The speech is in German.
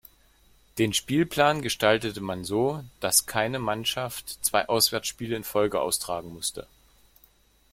Den Spielplan gestaltete man so, dass keine Mannschaft zwei Auswärtsspiele in Folge austragen musste.